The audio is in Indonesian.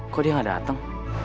kok dia gak dateng